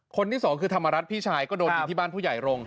คนที่สองคือธรรมรัฐพี่ชายก็โดนอยู่ที่บ้านผู้ใหญ่โรงค